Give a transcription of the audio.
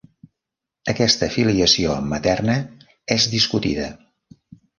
Aquesta filiació materna és discutida.